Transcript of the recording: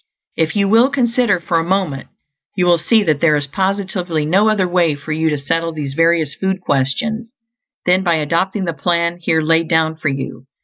If you will consider for a moment, you will see that there is positively no other way for you to settle these various food questions than by adopting the plan here laid down for you.